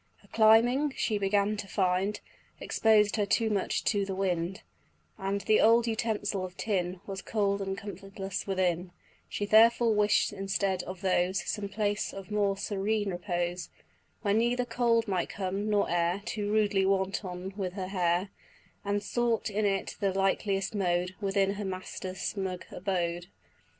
Her climbing, she began to find, Exposed her too much to the wind, And the old utensil of tin Was cold and comfortless within: She therefore wish'd instead of those Some place of more serene repose, Where neither cold might come, nor air Too rudely wanton with her hair, And sought it in the likeliest mode Within her master's snug abode.